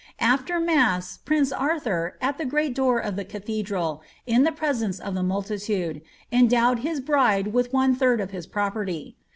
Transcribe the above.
After mass prince Arthur, It the great door of the cathedral, in the presence of the multitude, en dowed his bride with one third of his property.'